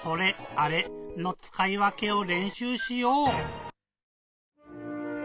「あれ」のつかいわけをれんしゅうしよう！